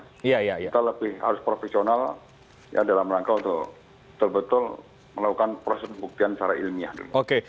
kita lebih harus profesional dalam rangka untuk terbetul melakukan proses buktian secara ilmiah dulu